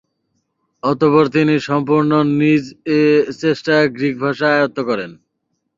অতঃপর তিনি সম্পূর্ণ নিজ চেষ্টায় গ্রিক ভাষা আয়ত্ত করেন।